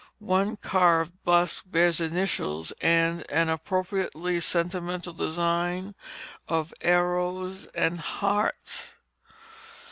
One carved busk bears initials and an appropriately sentimental design of arrows and hearts.